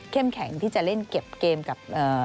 แข็งที่จะเล่นเก็บเกมกับ